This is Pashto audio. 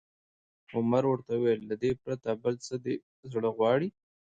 عمر ورته وویل: له دې پرته، بل څه دې زړه غواړي؟